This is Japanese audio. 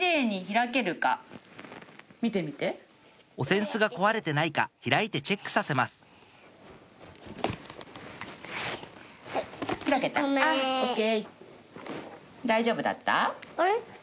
お扇子が壊れてないか開いてチェックさせます開けた？ＯＫ！